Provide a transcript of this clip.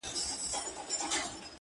• قاسم یاره وې تله که د خدای خپل سوې..